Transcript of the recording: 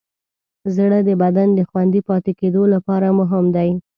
زړه د بدن د خوندي پاتې کېدو لپاره مهم دی.